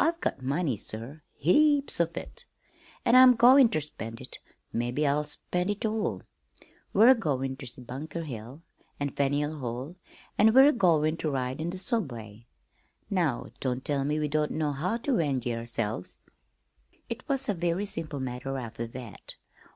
I've got money, sir, heaps of it, an' I'm goin' ter spend it mebbe I'll spend it all. We're agoin' ter see Bunker Hill an' Faneuil Hall, an' we're agoin' ter ride in the subway. Now, don't tell me we don't know how ter enj'y ourselves!" It was a very simple matter after that.